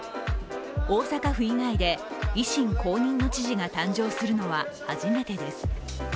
大阪府以外で維新公認の知事が誕生するのは初めてです。